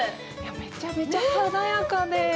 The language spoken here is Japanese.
めちゃめちゃ華やかで。